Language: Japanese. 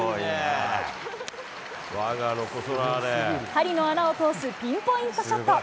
針の穴を通すピンポイントショット。